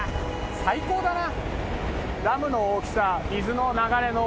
最高だな。